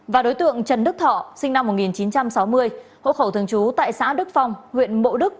và đối tượng trần đức thọ sinh năm một nghìn chín trăm sáu mươi hộ khẩu thường trú tại xã đức phong huyện mộ đức